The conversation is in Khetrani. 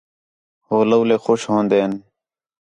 ہو لولے خوش ہوندِن